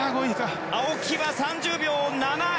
青木は３０秒７１。